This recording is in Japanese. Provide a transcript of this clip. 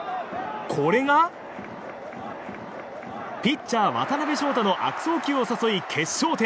これが、ピッチャー渡辺翔太の悪送球を誘い決勝点。